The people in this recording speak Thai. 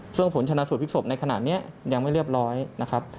ซึ่งผลชนะสูตรพลิกศพในขณะนี้ยังไม่เรียบร้อยนะครับ